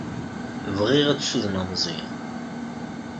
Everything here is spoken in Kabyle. Bɣiɣ ad ssudneɣ Meẓyan.